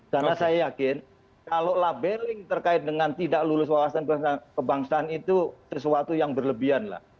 karena saya yakin kalau labeling terkait dengan tidak lolos wawasan kebangsaan itu sesuatu yang berlebihan lah